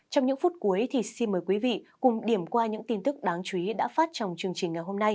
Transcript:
trong những phút cuối thì xin mời quý vị cùng điểm qua những tin tức đáng chú ý đã phát trong chương trình ngày hôm nay